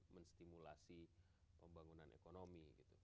menstimulasi pembangunan ekonomi